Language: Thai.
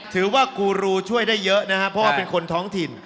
ถือว่ากูรูช่วยได้เยอะนะครับเพราะว่าเป็นคนท้องถิ่น